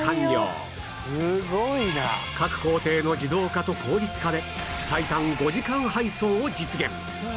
各工程の自動化と効率化で最短５時間配送を実現